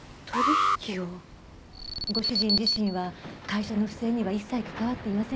ご主人自身は会社の不正には一切関わっていませんでした。